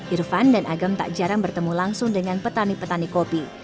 irfan dan agam tak jarang bertemu langsung dengan petani petani kopi